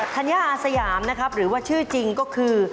ธัญญาอาสยามนะครับหรือว่าชื่อจริงก็คือ